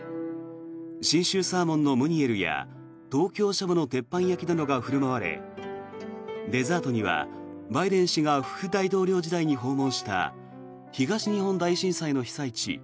信州サーモンのムニエルや東京しゃもの鉄板焼きなどが振る舞われデザートには、バイデン氏が副大統領時代に訪問した東日本大震災の被災地